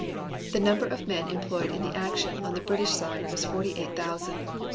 The number of men employed in the action on the British side was forty eight thousand.